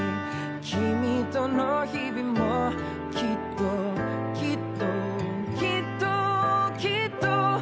「君との日々もきっときっときっときっと」